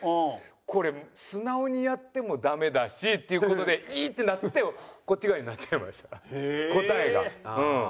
これ素直にやってもダメだしっていう事でイー！ってなってこっち側になっちゃいました答えがうん。